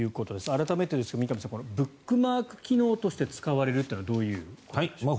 改めてですが、三上さんブックマーク機能として使われるというのはどういうことでしょう？